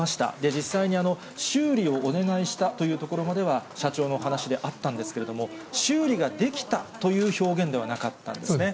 実際に、修理をお願いしたというところまでは、社長のお話であったんですけれども、修理ができたという表現ではなかったんですね。